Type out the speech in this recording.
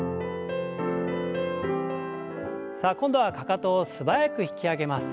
さあ今度はかかとを素早く引き上げます。